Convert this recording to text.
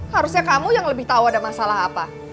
harusnya kamu yang lebih tahu ada masalah apa